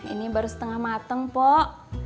ini baru setengah mateng po